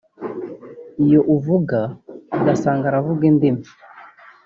iyo avuga ugasanga aravanga indimi